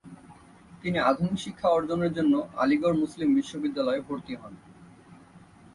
তিনি আধুনিক শিক্ষা অর্জনের জন্য আলিগড় মুসলিম বিশ্ববিদ্যালয়ে ভর্তি হন।